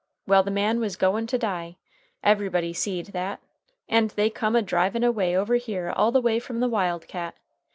Well, the man was goin' to die. Everybody seed that. And they come a drivin' away over here all the way from the Wild Cat.